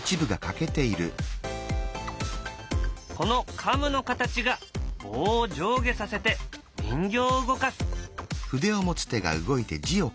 このカムの形が棒を上下させて人形を動かす。